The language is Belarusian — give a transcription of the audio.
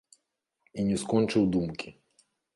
І не скончыў думкі.